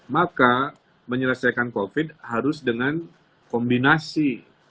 maka menyelesaikan covid harus dengan kombinasi